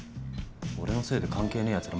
俺のせいで関係ねえやつら